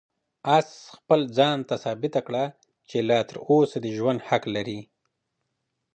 آس خپل ځان ته ثابته کړه چې لا تر اوسه د ژوند حق لري.